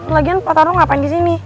lagian pak taro ngapain di sini